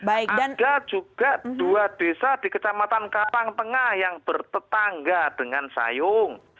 ada juga dua desa di kecamatan kalang tengah yang bertetangga dengan sayung